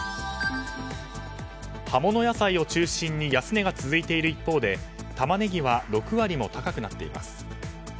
葉物野菜を中心に安値が続いている一方でタマネギは６割も高くなっています。